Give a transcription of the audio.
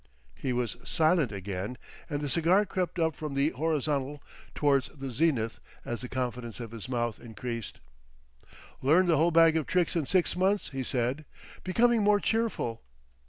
He was silent again, and the cigar crept up from the horizontal towards the zenith as the confidence of his mouth increased. "Learn the whole bag of tricks in six months." he said, becoming more cheerful.